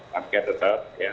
tapi ada saat ya